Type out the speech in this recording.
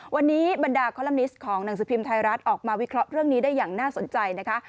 วันนี้บรรดาคอลัมนิสต์ของหนังสือพิมพ์ไทยรัฐออกมาวิเคราะห์เรื่องนี้ได้อย่างน่าสนใจนะคะ